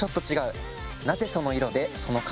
なぜその色でその形なのか